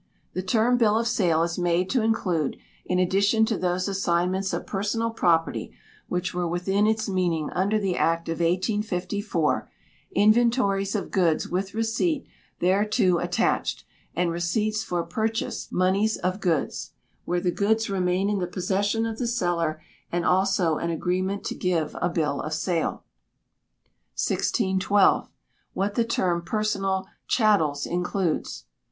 The term "bill of sale" is made to include, in addition to those assignments of personal property which were within its meaning under the Act of 1854, "inventories of goods with receipt thereto attached; and receipts for purchase moneys of goods," where the goods remain in the possession of the seller, and also an agreement to give a bill of sale. 1612. What the term "Personal Chattels" includes.